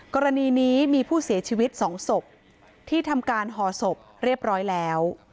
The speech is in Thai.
กรณีนี้มีผู้เสียชีวิต๒ศพที่ทำการห่อศพเรียบร้อยแล้ว